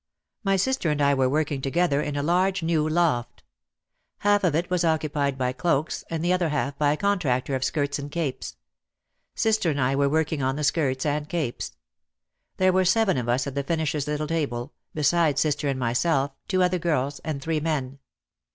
My sister and I were working together in a large new loft. Half of it was occupied by cloaks and the other half by a contractor of skirts and capes. Sister and I were working on the skirts and capes. There were seven of us at the finishers' little table, besides sister and myself two other girls and three men.